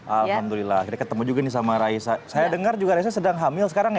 alhamdulillah kita ketemu juga nih sama raisa saya dengar juga raisa sedang hamil sekarang ya